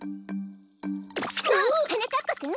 はなかっぱくん！